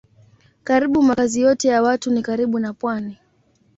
Karibu makazi yote ya watu ni karibu na pwani.